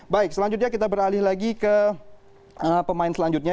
baik selanjutnya kita beralih lagi ke pemain selanjutnya